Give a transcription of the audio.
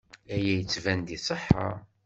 Aya yettban-d iṣeḥḥa.